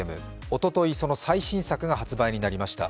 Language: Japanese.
おととい、その最新作が発売になりました、